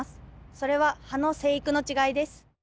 それは葉の生育の違いです。